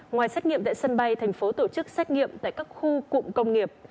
ngoài xét nghiệm tại sân bay thành phố tổ chức xét nghiệm tại các khu cụm công nghiệp